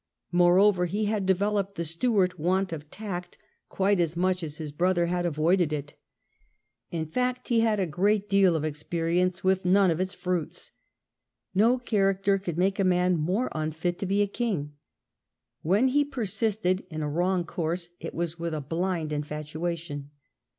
Moreover, he had developed the Stewart want of tact quite as much as his brother had avoided it. In fact he had a great deal of experience with none of its fruits. No character could make a man more unfit to be a king. When he persisted in a wrong course it was with a blind infatuation.